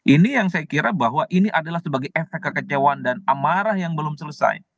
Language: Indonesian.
ini yang saya kira bahwa ini adalah sebagai efek kekecewaan dan amarah yang belum selesai